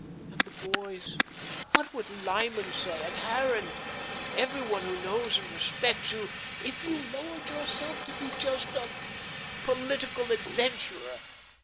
And the boys; what would Lyman say, and Harran, and every one who knows you and respects you, if you lowered yourself to be just a political adventurer!"